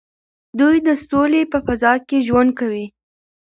دوی د سولې په فضا کې ژوند کوي.